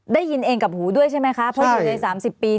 ได้ยินเองกับหูด้วยใช่ไหมคะเพราะอยู่ใน๓๐ปี